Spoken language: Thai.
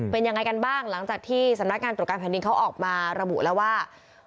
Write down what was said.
เป็นยังไงกันบ้างหลังจากที่สำนักงานตรวจการแผ่นดินเขาออกมาระบุแล้วว่า